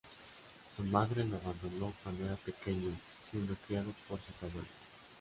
Su madre lo abandonó cuando era pequeño, siendo criado por sus abuelos.